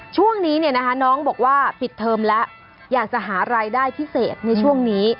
ช่วงนี้เนี่ยนะคะน้องบอกว่าปิดเทอมแล้วอยากจะหารายได้พิเศษในช่วงนี้